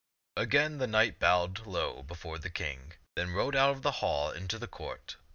Again the knight bowed low before the King, then rode out of the hall into the court.